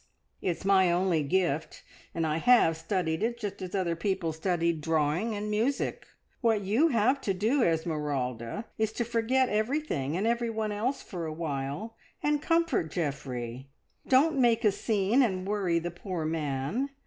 It's my only gift, and I have studied it just as other people study drawing and music. What you have to do, Esmeralda, is to forget everything and every one else for a while, and comfort Geoffrey. Don't make a scene and worry the poor man.